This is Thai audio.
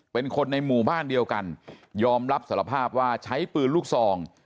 เป็นคนในหมู่บ้านเดียวกันยอมรับสารภาพว่าใช้ปืนลูกซอง